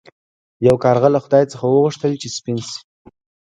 یو کارغه له خدای څخه وغوښتل چې سپین شي.